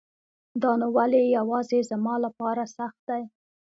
دا نو ولی يواځي زما لپاره سخت دی